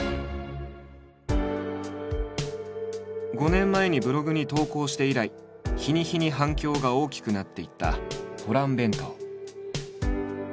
５年前にブログに投稿して以来日に日に反響が大きくなっていったホラン弁当。